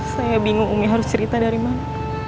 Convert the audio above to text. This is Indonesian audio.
saya bingung umi harus cerita dari mana